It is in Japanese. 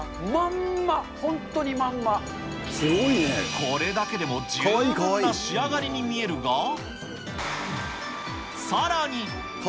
これだけでも十分な仕上がりに見えるが、さらに。